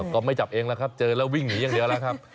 ก็ไม่จับเองแล้วครับเจอแล้ววิ่งหนีอย่างเดียวแล้วครับ